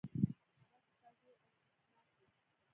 هغه کتاب ډیر ارزښتناک و.